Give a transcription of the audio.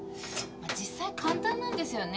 実際簡単なんですよね